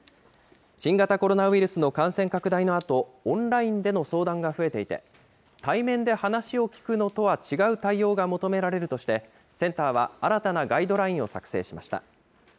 新型コロナウイルスの感染拡大のあと、オンラインでの相談が増えていて、対面で話を聞くのとは違う対応が求められるとして、センターは新たなガイドラインを作成しました。